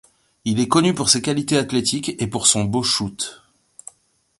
Il est connu pour ses qualités athlétiques et pour son beau shoot.